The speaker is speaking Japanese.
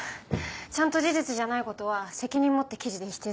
ちゃんと事実じゃない事は責任持って記事で否定するから。